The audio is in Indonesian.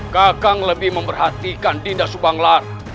kakang lebih memperhatikan tindak subanglar